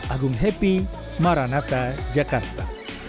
agung happy maranata jakarta